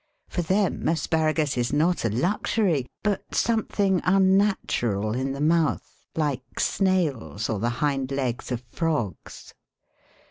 For them asparagus is not a luxury, but some * thing unnatural in the mouth, like snails or the hind legs of frogs.